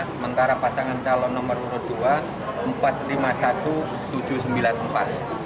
sementara pasangan calon nomor dua mendapatkan lima ratus sembilan puluh tujuh lima ratus empat puluh suara